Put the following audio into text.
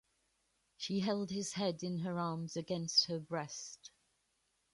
She held his head in her arms against her breast.